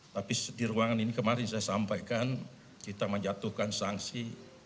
tapi di ruangan ini kemarin saya sampaikan kita menjatuhkan sanksi